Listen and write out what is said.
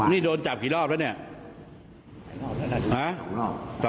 นี่โดนจับกี่รอบแล้วเนี่ย